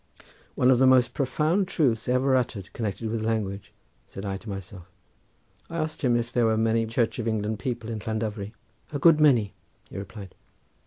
"One of the most profound truths ever uttered connected with language," said I to myself. I asked him if there were many Church of England people in Llandovery. "A good many," he replied.